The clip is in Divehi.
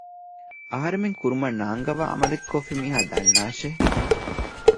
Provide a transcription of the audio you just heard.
އަހަރެމެން ކުރުމަށް ނާންގަވާ ޢަމަލެއް ކޮށްފި މީހާ ދަންނާށޭ